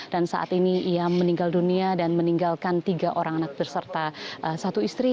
dan saat ini ia meninggal dunia dan meninggalkan tiga orang anak berserta satu istri